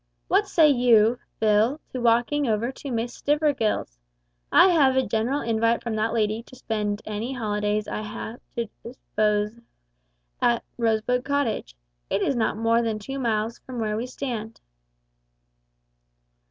What say you, Phil, to walking over to Miss Stivergill's? I have a general invite from that lady to spend any holidays I have to dispose of at Rosebud Cottage. It is not more than two miles from where we stand."